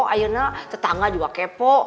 ayah naon tetangga juga kepo